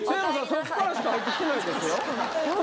そっちからしか入ってきてないですよははは